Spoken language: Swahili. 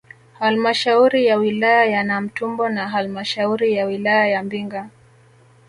Halmashauri ya wilaya ya Namtumbo na halmashauri ya wilaya ya Mbinga